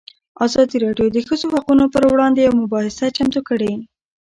ازادي راډیو د د ښځو حقونه پر وړاندې یوه مباحثه چمتو کړې.